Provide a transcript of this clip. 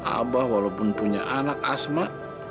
abah walaupun punya anak asma